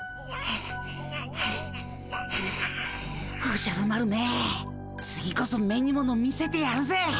おじゃる丸め次こそ目にもの見せてやるぜ！